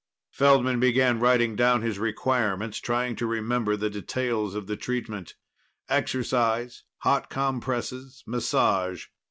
Feldman began writing down his requirements, trying to remember the details of the treatment. Exercise, hot compresses, massage.